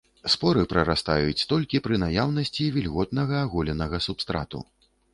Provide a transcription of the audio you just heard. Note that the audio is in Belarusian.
Споры прарастаюць толькі пры наяўнасці вільготнага аголенага субстрату.